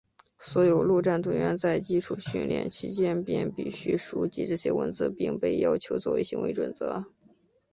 所有陆战队员在基础训练期间便必须熟记这些文字并被要求作为行为准则。